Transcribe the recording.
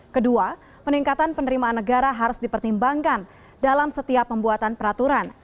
kedua peningkatan penerimaan negara harus dipertimbangkan dalam setiap pembuatan peraturan